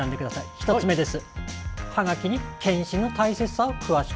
１つ目です。